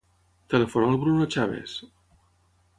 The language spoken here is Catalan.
Telefona al Bruno Chavez.